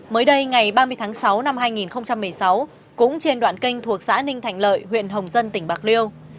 mới đây ngày ba mươi tháng sáu năm hai nghìn một mươi sáu cũng trên đoạn kênh thuộc xã ninh thành lợi huyện hồng dân tỉnh bạc liêu